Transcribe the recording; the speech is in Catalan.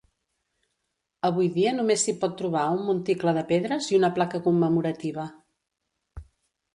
Avui dia només s'hi pot trobar un monticle de pedres i una placa commemorativa.